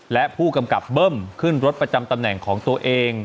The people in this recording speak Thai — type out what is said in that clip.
และผู้กำกับเบิ้มขึ้นรถประจำตำแหน่งของตัวเอง